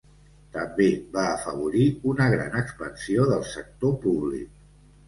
També va afavorir una gran expansió del sector públic.